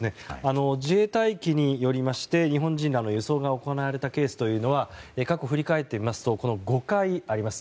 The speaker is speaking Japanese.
自衛隊機によりまして日本人らの輸送が行われたケースは過去振り返ってみますと５回あります。